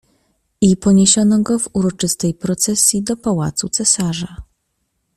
"I poniesiono go w uroczystej procesji do pałacu cesarza."